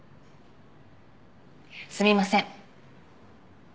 すみません。